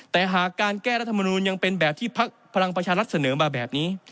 แต่หากการแก้รัฐมนูลยังเป็นแบบที่พักพลังประชารัฐเสนอมาแบบนี้